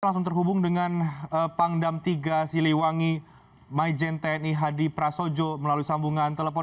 langsung terhubung dengan pangdam tiga siliwangi majen tni hadi prasojo melalui sambungan telepon